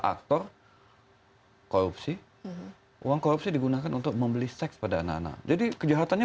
aktor korupsi uang korupsi digunakan untuk membeli seks pada anak anak jadi kejahatannya